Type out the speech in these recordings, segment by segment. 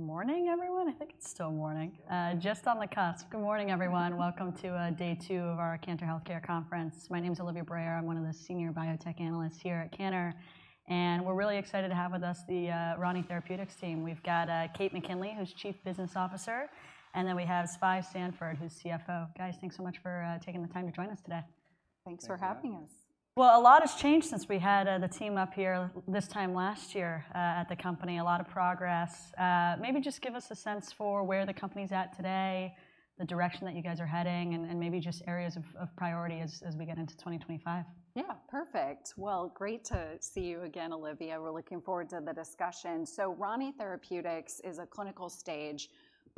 All right, hey, good morning, everyone. I think it's still morning. Just on the cusp. Good morning, everyone. Welcome to day two of our Cantor Global Healthcare Conference. My name is Olivia Brayer. I'm one of the senior biotech analysts here at Cantor, and we're really excited to have with us the Rani Therapeutics team. We've got Kate McKinley, who's Chief Business Officer, and then we have Svai Sanford, who's CFO. Guys, thanks so much for taking the time to join us today. Thanks for having us. Thank you. A lot has changed since we had the team up here this time last year at the company. A lot of progress. Maybe just give us a sense for where the company's at today, the direction that you guys are heading, and maybe just areas of priority as we get into 2025. Yeah, perfect. Well, great to see you again, Olivia. We're looking forward to the discussion. So Rani Therapeutics is a clinical stage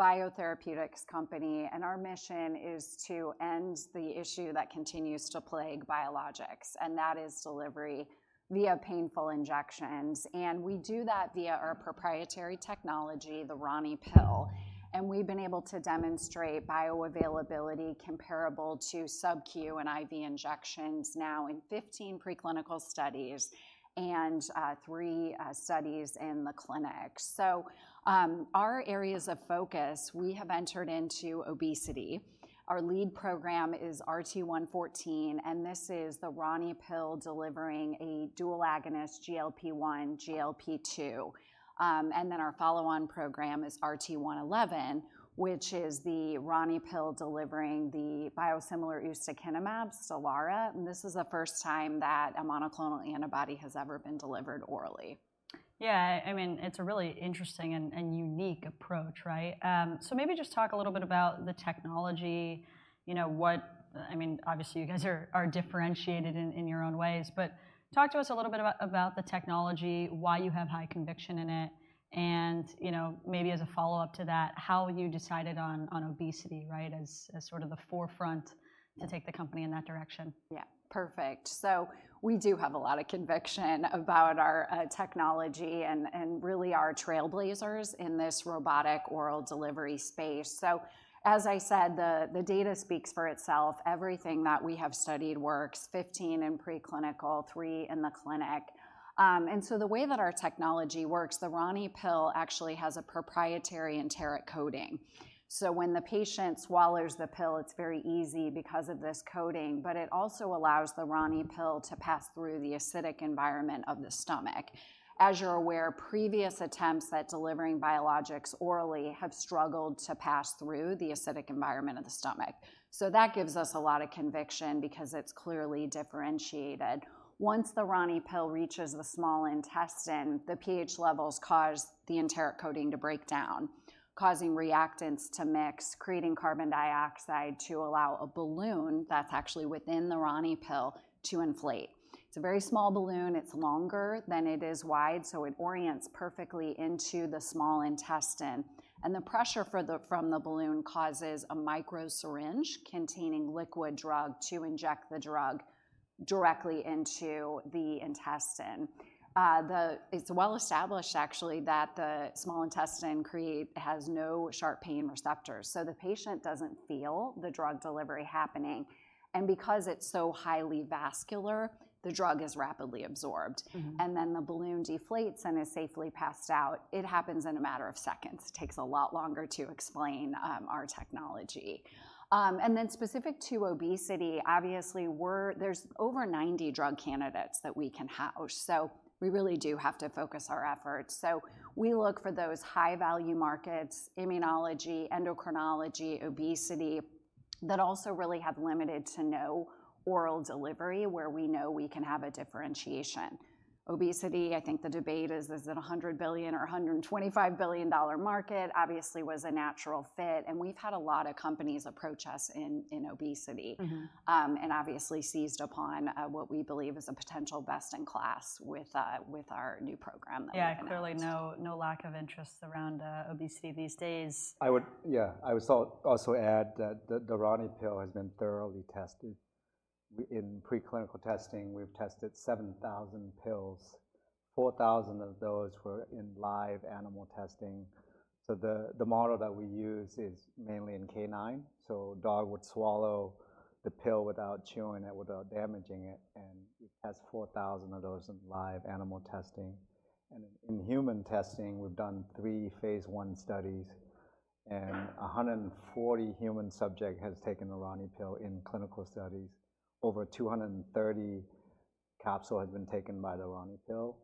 biotherapeutics company, and our mission is to end the issue that continues to plague biologics, and that is delivery via painful injections. And we do that via our proprietary technology, the RaniPill, and we've been able to demonstrate bioavailability comparable to subQ and IV injections now in 15 preclinical studies and three studies in the clinic. So, our areas of focus, we have entered into obesity. Our lead program is RT-114, and this is the RaniPill delivering a dual agonist, GLP-1, GLP-2. And then our follow-on program is RT-111, which is the RaniPill delivering the biosimilar ustekinumab, Stelara, and this is the first time that a monoclonal antibody has ever been delivered orally. Yeah, I mean, it's a really interesting and unique approach, right? So maybe just talk a little bit about the technology. You know, I mean, obviously, you guys are differentiated in your own ways, but talk to us a little bit about the technology, why you have high conviction in it, and, you know, maybe as a follow-up to that, how you decided on obesity, right, as sort of the forefront to take the company in that direction. Yeah, perfect, so we do have a lot of conviction about our technology, and really are trailblazers in this robotic oral delivery space, so as I said, the data speaks for itself. Everything that we have studied works, 15 in preclinical, three in the clinic, and so the way that our technology works, the RaniPill actually has a proprietary enteric coating, so when the patient swallows the pill, it's very easy because of this coating, but it also allows the RaniPill to pass through the acidic environment of the stomach. As you're aware, previous attempts at delivering biologics orally have struggled to pass through the acidic environment of the stomach, so that gives us a lot of conviction because it's clearly differentiated. Once the RaniPill reaches the small intestine, the pH levels cause the enteric coating to break down, causing reactants to mix, creating carbon dioxide to allow a balloon that's actually within the RaniPill to inflate. It's a very small balloon. It's longer than it is wide, so it orients perfectly into the small intestine. The pressure from the balloon causes a microsyringe containing liquid drug to inject the drug directly into the intestine. It's well established actually, that the small intestine has no sharp pain receptors, so the patient doesn't feel the drug delivery happening. Because it's so highly vascular, the drug is rapidly absorbed. Mm-hmm. And then the balloon deflates and is safely passed out. It happens in a matter of seconds. Takes a lot longer to explain our technology. And then specific to obesity, obviously, there’s over 90 drug candidates that we can have, so we really do have to focus our efforts. So we look for those high-value markets: immunology, endocrinology, obesity, that also really have limited to no oral delivery, where we know we can have a differentiation. Obesity, I think the debate is, is it a $100 billion or a $125 billion dollar market? Obviously, was a natural fit, and we’ve had a lot of companies approach us in obesity- Mm-hmm... and obviously seized upon what we believe is a potential best-in-class with our new program that we have. Yeah, clearly, no, no lack of interest around obesity these days. I would, yeah, I would also add that the RaniPill has been thoroughly tested. In preclinical testing, we've tested 7,000 pills. 4,000 of those were in live animal testing. So the model that we use is mainly in canine. So dog would swallow the pill without chewing it, without damaging it, and it has 4,000 of those in live animal testing. And in human testing, we've done three phase I studies, and 140 human subjects have taken the RaniPill in clinical studies. Over 230 capsules had been taken by the RaniPill,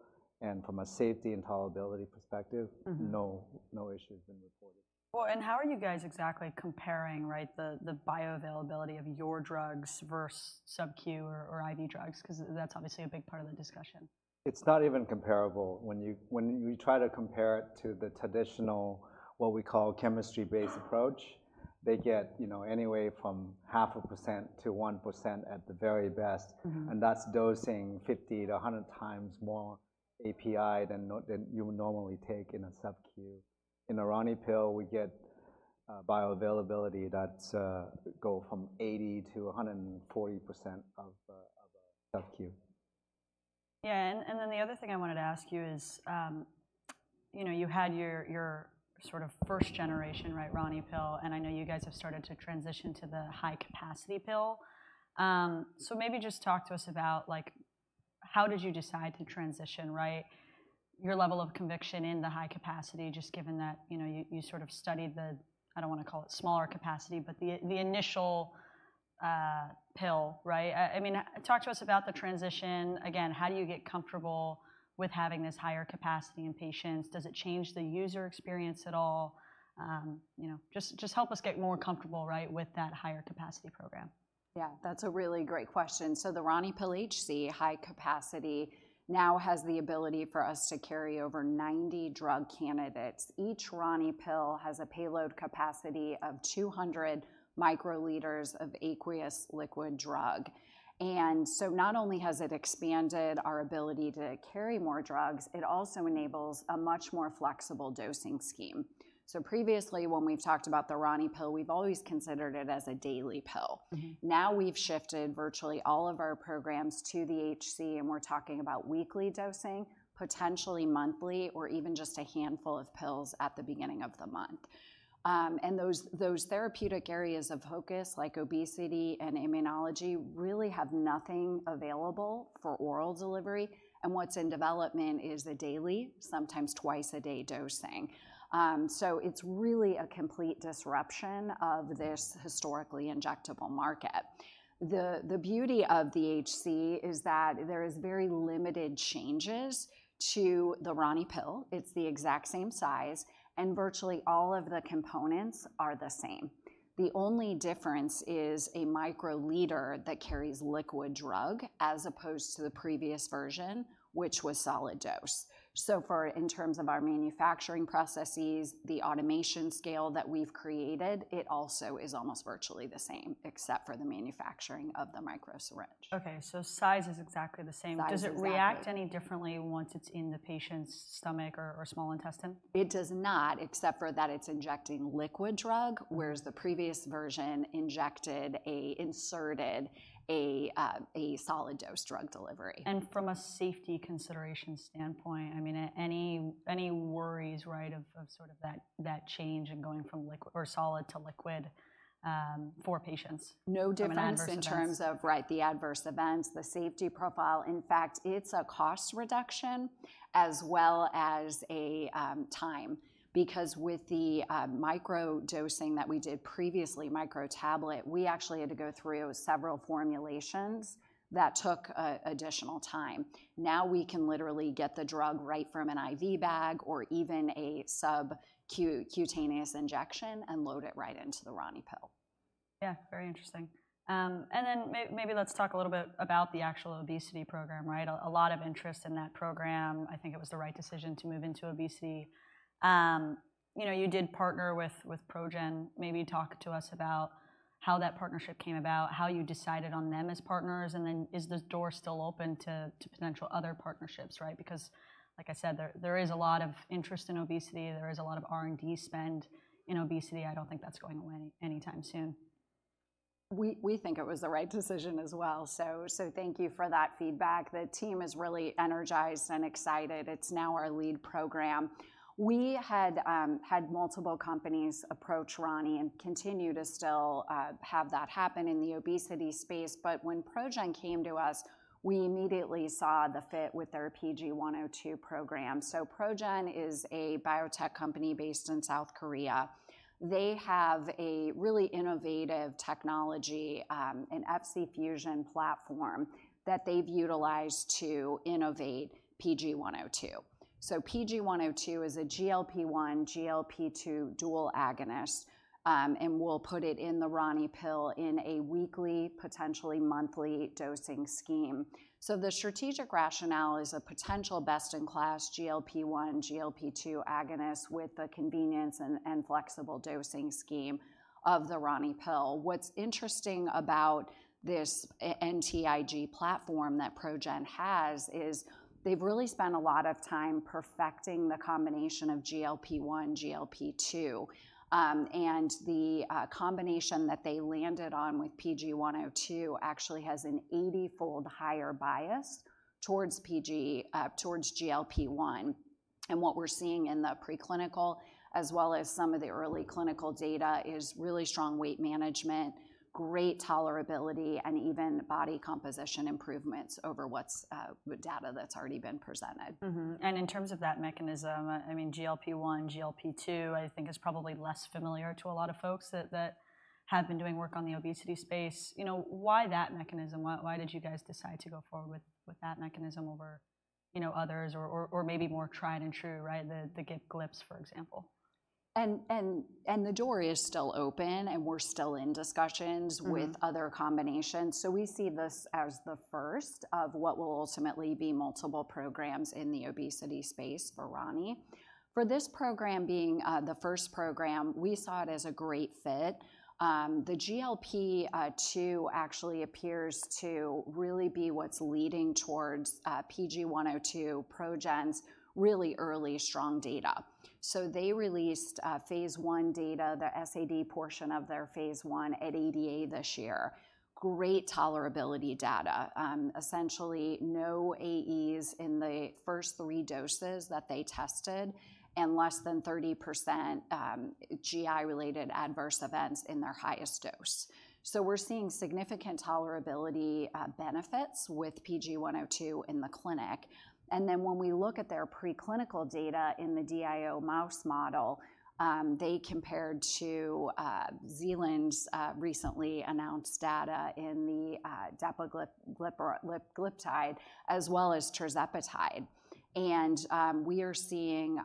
and from a safety and tolerability perspective- Mm-hmm... no, no issue has been reported. Well, and how are you guys exactly comparing, right, the bioavailability of your drugs versus subQ or IV drugs? 'Cause that's obviously a big part of the discussion. It's not even comparable. When you try to compare it to the traditional, what we call chemistry-based approach, they get, you know, anywhere from 0.5%-1% at the very best. Mm-hmm. That's dosing 50 to 100 times more API than you would normally take in a subQ. In a RaniPill, we get bioavailability that go from 80 to 140% of a subQ. Yeah, and then the other thing I wanted to ask you is, you know, you had your, your sort of first generation, right, RaniPill, and I know you guys have started to transition to the high-capacity pill. So maybe just talk to us about how did you decide to transition, right? Your level of conviction in the high capacity, just given that, you know, you, you sort of studied the, I don't wanna call it smaller capacity, but the, the initial pill, right? I mean, talk to us about the transition. Again, how do you get comfortable with having this higher capacity in patients? Does it change the user experience at all? You know, just help us get more comfortable, right, with that higher capacity program. Yeah, that's a really great question. So the RaniPill HC high capacity now has the ability for us to carry over 90 drug candidates. Each RaniPill has a payload capacity of 200 microliters of aqueous liquid drug. And so not only has it expanded our ability to carry more drugs, it also enables a much more flexible dosing scheme. So previously, when we've talked about the RaniPill, we've always considered it as a daily pill. Mm-hmm. Now, we've shifted virtually all of our programs to the HC, and we're talking about weekly dosing, potentially monthly, or even just a handful of pills at the beginning of the month. And those, those therapeutic areas of focus, like obesity and immunology, really have nothing available for oral delivery, and what's in development is the daily, sometimes twice a day, dosing. So it's really a complete disruption of this historically injectable market. The, the beauty of the HC is that there is very limited changes to the RaniPill. It's the exact same size, and virtually all of the components are the same. The only difference is a microsyringe that carries liquid drug, as opposed to the previous version, which was solid dose. In terms of our manufacturing processes, the automation scale that we've created, it also is almost virtually the same, except for the manufacturing of the microsyringe. Okay, so size is exactly the same. Size, exactly. Does it react any differently once it's in the patient's stomach or small intestine? It does not, except for that it's injecting liquid drug, whereas the previous version inserted a solid dose drug delivery. From a safety consideration standpoint, I mean, any worries, right, of sort of that change in going from liquid or solid to liquid, for patients- No difference- Of adverse events.... in terms of, right, the adverse events, the safety profile. In fact, it's a cost reduction as well as a time. Because with the micro dosing that we did previously, micro tablet, we actually had to go through several formulations that took additional time. Now, we can literally get the drug right from an IV bag or even a subcutaneous injection and load it right into the RaniPill. Yeah, very interesting. And then maybe let's talk a little bit about the actual obesity program, right? A lot of interest in that program. I think it was the right decision to move into obesity. You know, you did partner with ProGen. Maybe talk to us about how that partnership came about, how you decided on them as partners, and then is the door still open to potential other partnerships, right? Because, like I said, there is a lot of interest in obesity. There is a lot of R&D spend in obesity. I don't think that's going away anytime soon. We think it was the right decision as well, so thank you for that feedback. The team is really energized and excited. It's now our lead program. We had multiple companies approach Rani and continue to still have that happen in the obesity space, but when ProGen came to us, we immediately saw the fit with their PG-102 program. ProGen is a biotech company based in South Korea. They have a really innovative technology, an Fc fusion platform, that they've utilized to innovate PG-102. PG-102 is a GLP-1, GLP-2 dual agonist, and we'll put it in the RaniPill in a weekly, potentially monthly, dosing scheme. The strategic rationale is a potential best-in-class GLP-1, GLP-2 agonist with the convenience and flexible dosing scheme of the RaniPill. What's interesting about this agonist platform that ProGen has is they've really spent a lot of time perfecting the combination of GLP-1, GLP-2, and the combination that they landed on with PG-102 actually has an eighty-fold higher bias towards GLP-1. And what we're seeing in the preclinical, as well as some of the early clinical data, is really strong weight management, great tolerability, and even body composition improvements over what's data that's already been presented. Mm-hmm. In terms of that mechanism, I mean, GLP-1, GLP-2, I think is probably less familiar to a lot of folks that have been doing work on the obesity space. You know, why that mechanism? Why did you guys decide to go forward with that mechanism over, you know, others or maybe more tried and true, right? The GLP, for example. ... And the door is still open, and we're still in discussions- Mm-hmm. -with other combinations. So we see this as the first of what will ultimately be multiple programs in the obesity space for Rani. For this program being, the first program, we saw it as a great fit. The GLP-2 actually appears to really be what's leading towards, PG-102 ProGen's really early strong data. So they released, phase one data, the SAD portion of their phase one at ADA this year. Great tolerability data. Essentially, no AEs in the first three doses that they tested, and less than 30%, GI-related adverse events in their highest dose. So we're seeing significant tolerability, benefits with PG-102 in the clinic, and then when we look at their preclinical data in the DIO mouse model, they compared to, Zealand's, recently announced data in the, dapiglutide, as well as tirzepatide. We are seeing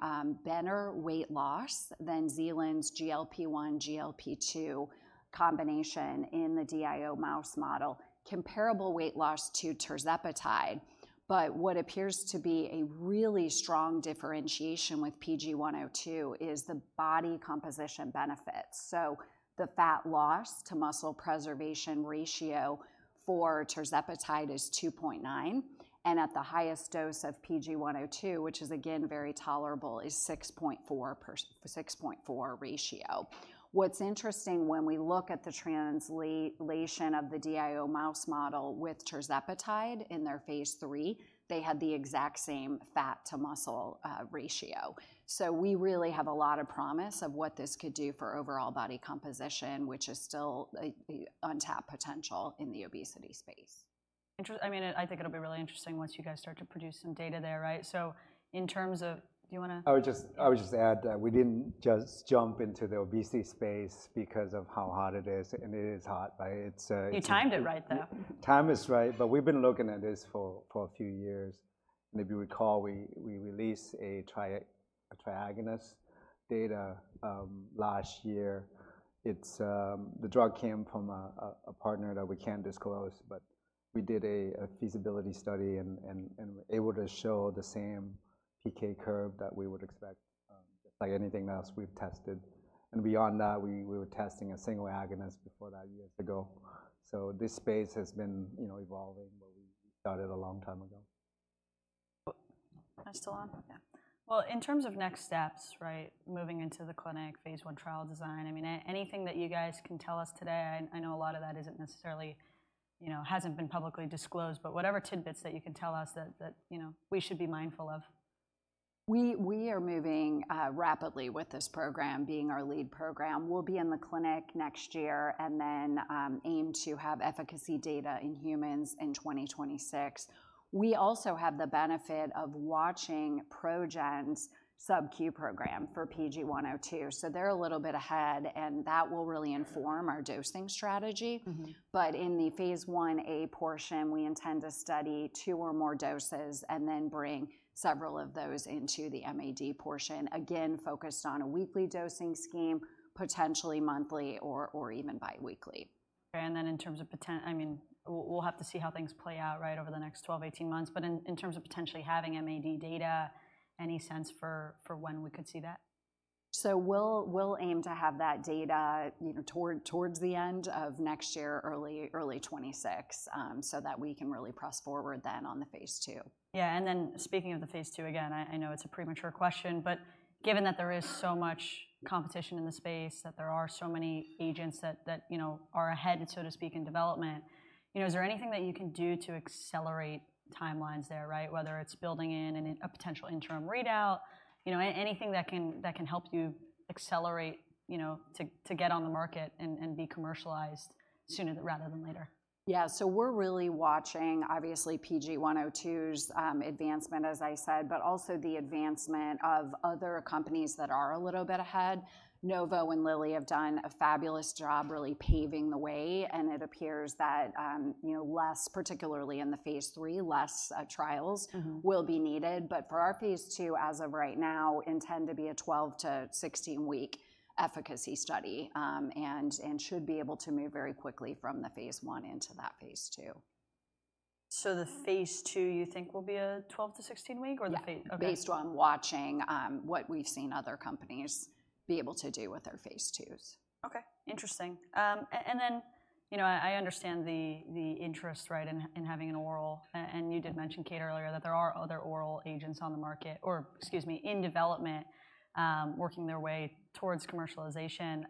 better weight loss than Zealand's GLP-1, GLP-2 combination in the DIO mouse model, comparable weight loss to tirzepatide. What appears to be a really strong differentiation with PG-102 is the body composition benefits. The fat loss to muscle preservation ratio for tirzepatide is two point nine, and at the highest dose of PG-102, which is again very tolerable, is six point four ratio. What's interesting when we look at the translation of the DIO mouse model with tirzepatide in their phase three, they had the exact same fat to muscle ratio. We really have a lot of promise of what this could do for overall body composition, which is still the untapped potential in the obesity space. I mean, I think it'll be really interesting once you guys start to produce some data there, right? So in terms of... Do you wanna- I would just, I would just add that we didn't just jump into the obesity space because of how hot it is, and it is hot, but it's, it's- You timed it right, though. Time is right, but we've been looking at this for a few years. If you recall, we released a triagonist data last year. It's the drug came from a partner that we can't disclose, but we did a feasibility study and were able to show the same PK curve that we would expect, like anything else we've tested. And beyond that, we were testing a single agonist before that years ago. So this space has been, you know, evolving, but we started a long time ago. Am I still on? Yeah. Well, in terms of next steps, right, moving into the clinic, phase one trial design, I mean, anything that you guys can tell us today, I know a lot of that isn't necessarily, you know, hasn't been publicly disclosed, but whatever tidbits that you can tell us that, you know, we should be mindful of. We are moving rapidly with this program, being our lead program. We'll be in the clinic next year, and then aim to have efficacy data in humans in twenty twenty-six. We also have the benefit of watching ProGen's subQ program for PG-102, so they're a little bit ahead, and that will really inform our dosing strategy. Mm-hmm. But in the phase 1a portion, we intend to study two or more doses and then bring several of those into the MAD portion, again, focused on a weekly dosing scheme, potentially monthly or even biweekly. And then in terms of... I mean, we'll have to see how things play out, right, over the next twelve, eighteen months. But in terms of potentially having MAD data, any sense for when we could see that? So we'll aim to have that data, you know, towards the end of next year, early twenty-six, so that we can really press forward then on the phase two. Yeah, and then speaking of the phase two, again, I know it's a premature question, but given that there is so much competition in the space, that there are so many agents that you know are ahead, so to speak, in development, you know, is there anything that you can do to accelerate timelines there, right? Whether it's building in a potential interim readout, you know, anything that can help you accelerate, you know, to get on the market and be commercialized sooner rather than later. Yeah. So we're really watching, obviously, PG-102's advancement, as I said, but also the advancement of other companies that are a little bit ahead. Novo and Lilly have done a fabulous job really paving the way, and it appears that, you know, less, particularly in the phase three, trials- Mm-hmm... will be needed. But for our phase two, as of right now, intend to be a 12- to 16-week efficacy study, and should be able to move very quickly from the phase one into that phase two. So the phase 2, you think, will be a 12- to 16-week or the phase- Yeah. Okay. Based on watching what we've seen other companies be able to do with their phase twos. Okay. Interesting. And then, you know, I understand the interest, right, in having an oral, and you did mention, Kate, earlier, that there are other oral agents on the market, or excuse me, in development, working their way towards commercialization.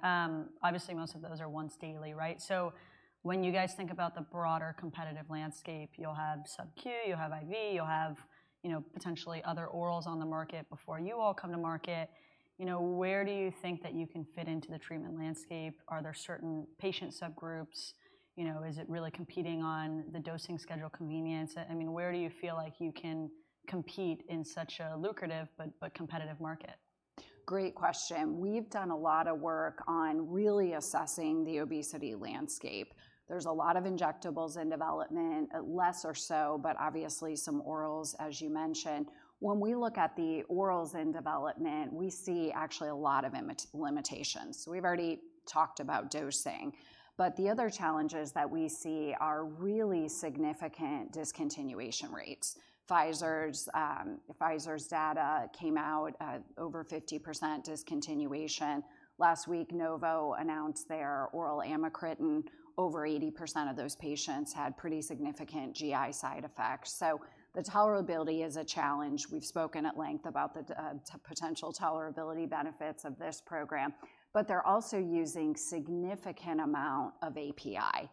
Obviously, most of those are once daily, right? So when you guys think about the broader competitive landscape, you'll have subQ, you'll have IV, you'll have, you know, potentially other orals on the market before you all come to market. You know, where do you think that you can fit into the treatment landscape? Are there certain patient subgroups? You know, is it really competing on the dosing schedule convenience? I mean, where do you feel like you can compete in such a lucrative but competitive market? Great question. We've done a lot of work on really assessing the obesity landscape. There's a lot of injectables in development, less or so, but obviously some orals, as you mentioned. When we look at the orals in development, we see actually a lot of limitations. We've already talked about dosing, but the other challenges that we see are really significant discontinuation rates. Pfizer's data came out at over 50% discontinuation. Last week, Novo announced their oral amycretin, and over 80% of those patients had pretty significant GI side effects. So the tolerability is a challenge. We've spoken at length about the potential tolerability benefits of this program, but they're also using significant amount of API,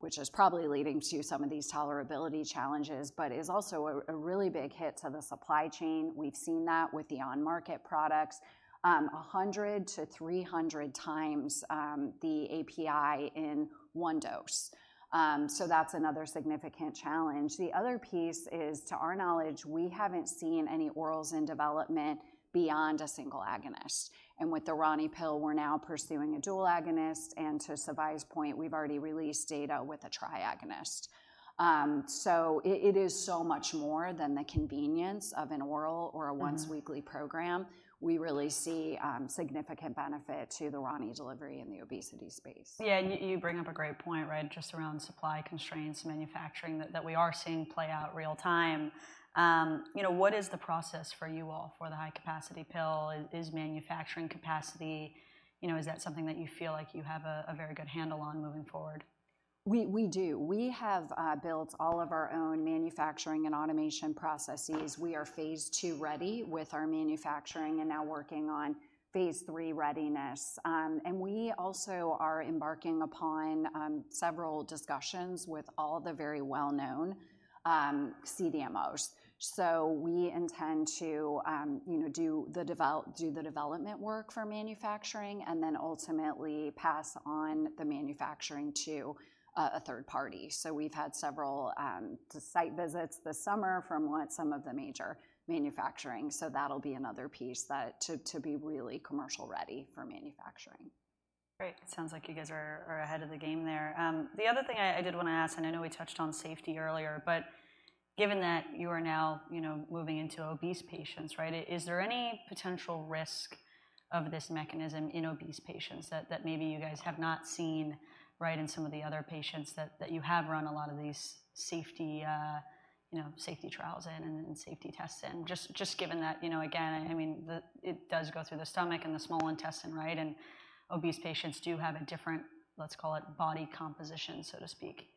which is probably leading to some of these tolerability challenges, but is also a really big hit to the supply chain. We've seen that with the on-market products, 100-300 times the API in one dose. So that's another significant challenge. The other piece is, to our knowledge, we haven't seen any orals in development beyond a single agonist, and with the RaniPill, we're now pursuing a dual agonist, and to Svai's point, we've already released data with a triagonist. So it, it is so much more than the convenience of an oral or a- Mm-hmm... once-weekly program. We really see significant benefit to the Rani delivery in the obesity space. Yeah, and you bring up a great point, right, just around supply constraints, manufacturing, that we are seeing play out real time. You know, what is the process for you all for the high-capacity pill? Is manufacturing capacity... You know, is that something that you feel like you have a very good handle on moving forward? We do. We have built all of our own manufacturing and automation processes. We are phase II ready with our manufacturing and now working on phase III readiness. And we also are embarking upon several discussions with all the very well-known CDMOs. So we intend to, you know, do the development work for manufacturing and then ultimately pass on the manufacturing to a third party. So we've had several site visits this summer from some of the major manufacturing. So that'll be another piece that to be really commercial ready for manufacturing. Great. It sounds like you guys are ahead of the game there. The other thing I did wanna ask, and I know we touched on safety earlier, but given that you are now, you know, moving into obese patients, right? Is there any potential risk of this mechanism in obese patients that maybe you guys have not seen, right, in some of the other patients that you have run a lot of these safety, you know, safety trials in and safety tests in? Just given that, you know, again, I mean, it does go through the stomach and the small intestine, right? And obese patients do have a different, let's call it, body composition, so to speak.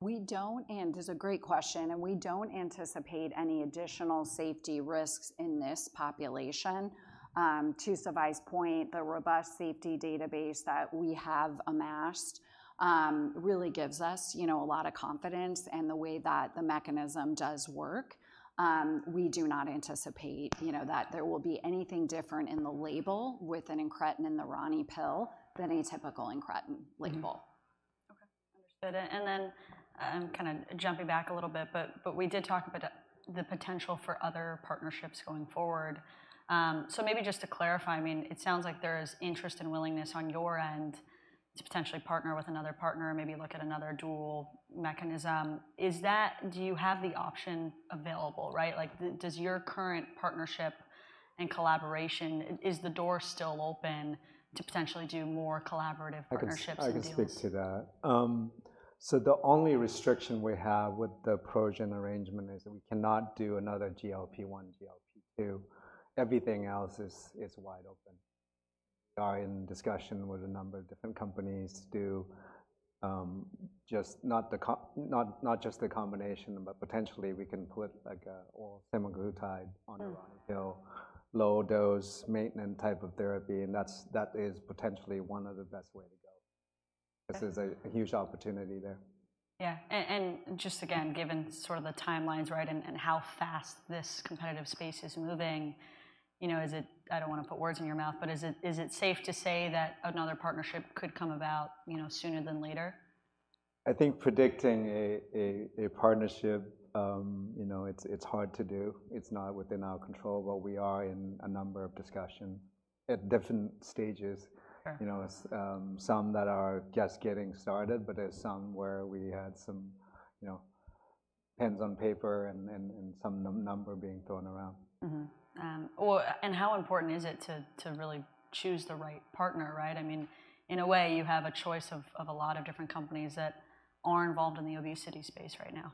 We don't, and it's a great question, and we don't anticipate any additional safety risks in this population. To Svai's point, the robust safety database that we have amassed really gives us, you know, a lot of confidence, and the way that the mechanism does work, we do not anticipate, you know, that there will be anything different in the label with an incretin in the RaniPill than a typical incretin label. Mm-hmm. Okay, understood. And then, kind of jumping back a little bit, but we did talk about the potential for other partnerships going forward. So maybe just to clarify, I mean, it sounds like there is interest and willingness on your end to potentially partner with another partner or maybe look at another dual mechanism. Is that... Do you have the option available, right? Like, does your current partnership and collaboration, is the door still open to potentially do more collaborative partnerships and deals? I can speak to that. So the only restriction we have with the ProGen arrangement is that we cannot do another GLP-1, GLP-2. Everything else is wide open. We are in discussion with a number of different companies to just not just the combination, but potentially we can put, like, a, well, semaglutide on a RaniPill- Mm... low dose maintenance type of therapy, and that's potentially one of the best way to go. Okay. This is a huge opportunity there. Yeah. And just again, given sort of the timelines, right, and how fast this competitive space is moving, you know, is it... I don't wanna put words in your mouth, but is it safe to say that another partnership could come about, you know, sooner than later? I think predicting a partnership, you know, it's hard to do. It's not within our control, but we are in a number of discussions at different stages. Okay. You know, some that are just getting started, but there's some where we had some, you know, pens on paper and some number being thrown around. Mm-hmm. Well, and how important is it to really choose the right partner, right? I mean, in a way, you have a choice of a lot of different companies that are involved in the obesity space right now.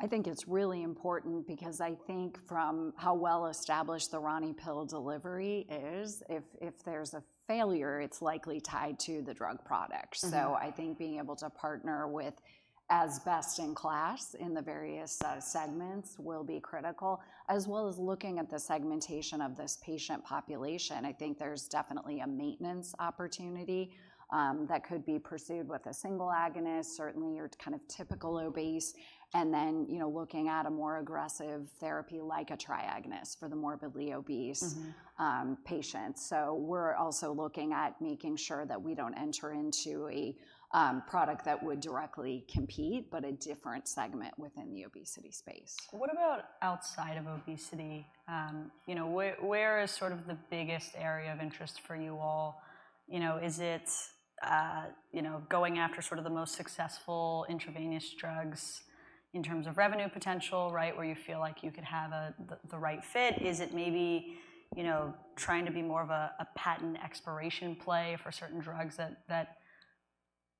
I think it's really important because I think from how well-established the RaniPill delivery is, if there's a failure, it's likely tied to the drug product. Mm-hmm. So I think being able to partner with as best-in-class in the various segments will be critical, as well as looking at the segmentation of this patient population. I think there's definitely a maintenance opportunity that could be pursued with a single agonist, certainly your kind of typical obese, and then, you know, looking at a more aggressive therapy, like a triagonist, for the morbidly obese- Mm-hmm... patients. So we're also looking at making sure that we don't enter into a product that would directly compete, but a different segment within the obesity space. What about outside of obesity? You know, where is sort of the biggest area of interest for you all? You know, is it, you know, going after sort of the most successful intravenous drugs in terms of revenue potential, right, where you feel like you could have a the right fit? Is it maybe, you know, trying to be more of a patent expiration play for certain drugs that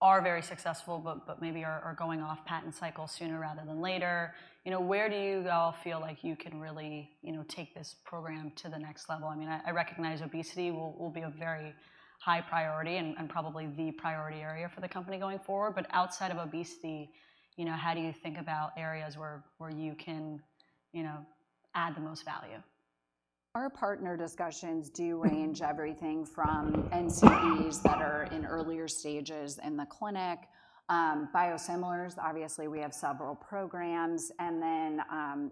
are very successful, but maybe are going off patent cycle sooner rather than later? You know, where do you all feel like you can really, you know, take this program to the next level? I mean, I recognize obesity will be a very high priority and probably the priority area for the company going forward, but outside of obesity, you know, how do you think about areas where you can, you know, add the most value? Our partner discussions do range everything from NCEs that are in earlier stages in the clinic, biosimilars, obviously we have several programs, and then,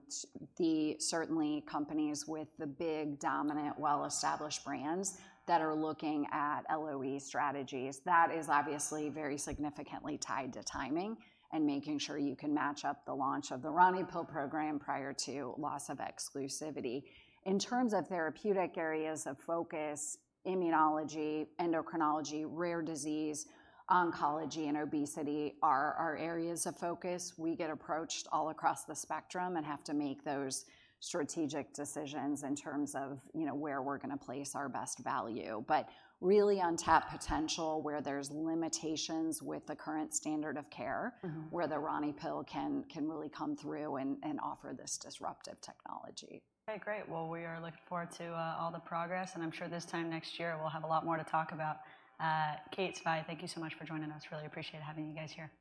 certainly companies with the big, dominant, well-established brands that are looking at LOE strategies. That is obviously very significantly tied to timing and making sure you can match up the launch of the RaniPill program prior to loss of exclusivity. In terms of therapeutic areas of focus, immunology, endocrinology, rare disease, oncology, and obesity are our areas of focus. We get approached all across the spectrum and have to make those strategic decisions in terms of, you know, where we're gonna place our best value. But really untapped potential, where there's limitations with the current standard of care- Mm-hmm... where the RaniPill can really come through and offer this disruptive technology. Okay, great. We are looking forward to all the progress, and I'm sure this time next year we'll have a lot more to talk about. Kate, Svai, thank you so much for joining us. Really appreciate having you guys here.